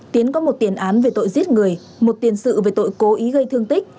tiến có một tiền án về tội giết người một tiền sự về tội cố ý gây thương tích